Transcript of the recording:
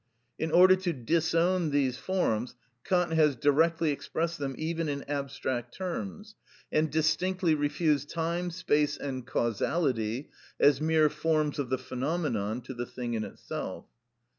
In order to disown these forms Kant has directly expressed them even in abstract terms, and distinctly refused time, space, and causality as mere forms of the phenomenon to the thing in itself.